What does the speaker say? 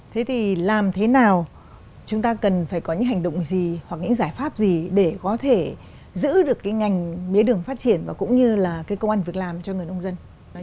thế thì làm thế nào chúng ta cần phải có những hành động gì hoặc những giải pháp gì để có thể giữ được cái ngành mía đường phát triển và cũng như là cái công an việc làm cho người nông dân